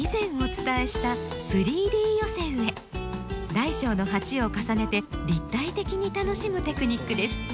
大小の鉢を重ねて立体的に楽しむテクニックです。